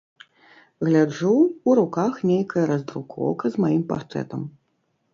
Гляджу, у руках нейкая раздрукоўка з маім партрэтам.